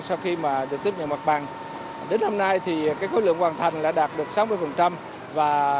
sau khi mà được tiếp nhận mặt bằng đến hôm nay thì cái khối lượng hoàn thành đã đạt được sáu mươi và